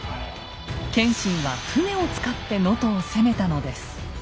謙信は船を使って能登を攻めたのです。